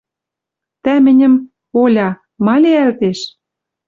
Тӓ мӹньӹм... Оля, ма лиӓлтеш?» —